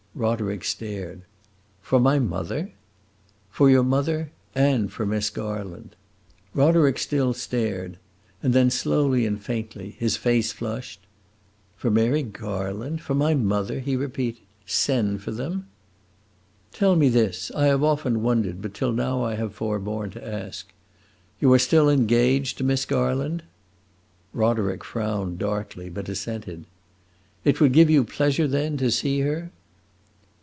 Roderick stared. "For my mother?" "For your mother and for Miss Garland." Roderick still stared; and then, slowly and faintly, his face flushed. "For Mary Garland for my mother?" he repeated. "Send for them?" "Tell me this; I have often wondered, but till now I have forborne to ask. You are still engaged to Miss Garland?" Roderick frowned darkly, but assented. "It would give you pleasure, then, to see her?"